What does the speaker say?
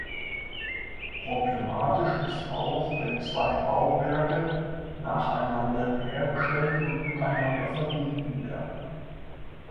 Problematisch ist auch, wenn zwei Bauwerke nacheinander hergestellt und miteinander verbunden werden.